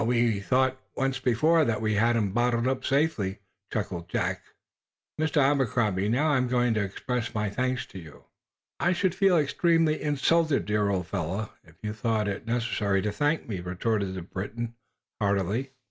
"We thought, once before, that we had him bottled up safely," chuckled Lieutenant Jack. "Mr. Abercrombie, how am I ever going to express my thanks to you?" "I should feel extremely insulted, dear old fellow, if you thought it necessary to thank me," retorted the Briton, heartily.